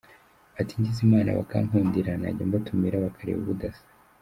Ati "Ngize Imana bakankundira najya mbatumira bakareba ubudasa.